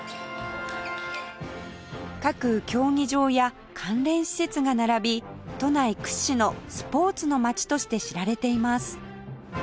各競技場や関連施設が並び都内屈指のスポーツの街として知られています